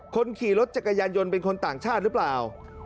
คนขี่รถจักรยานยนต์เป็นคนต่างชาติหรือเปล่า